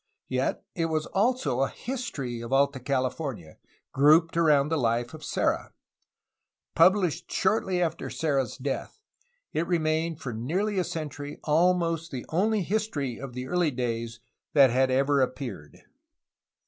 Yet it was also a history of Alta California, grouped around the Hfe of Serra. PubHshed shortly after Serra's death, it remained for nearly a century almost the only his tory of the early days that had ever appeared.